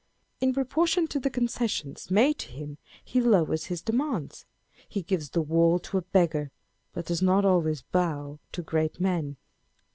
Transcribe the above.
In proportion to the concessions made to him, he lowers his demands. He gives the wall to a beggar :* but does not always bow to great men.